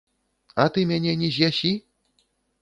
А ты мяне не з'ясі?